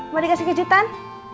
mau dikasih kejutan